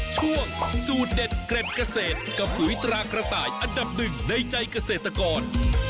ช่วงสูตรเด็ดเกร็ดเกษตรกับปุ๋ยตรากระต่ายอันดับหนึ่งในใจเกษตรกร